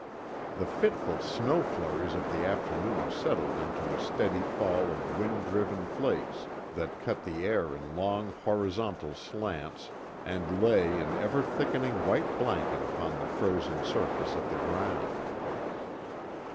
The fitful snow flurries of the forenoon settled into a steady fall of wind driven flakes that cut the air in long horizontal slants and lay an ever thickening white blanket upon the frozen surface of the ground.